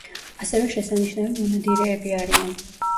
ასევე შესანიშნავი მონადირეები არიან.